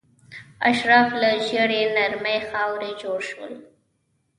اشراف له ژیړې نرمې خاورې جوړ شول.